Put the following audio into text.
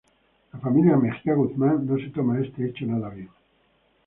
La familia Mejía Guzmán no se toma este hecho nada bien.